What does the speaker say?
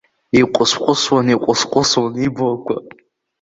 Иҟәысҟәысуан, иҟәысҟәысуан иблақәа.